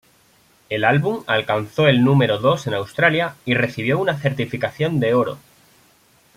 El álbum alcanzó el número dos en Australia y recibió una certificación de oro.